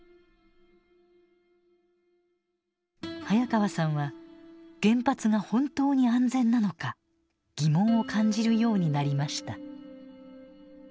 早川さんは原発が本当に安全なのか疑問を感じるようになりました。